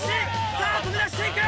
さぁ飛び出していく！